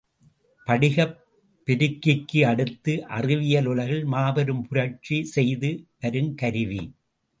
படிகப் பெருக்கிக்கு அடுத்து அறிவியல் உலகில் மாபெரும் புரட்சி செய்து வருங்கருவி.